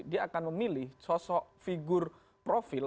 dia akan memilih sosok figur profil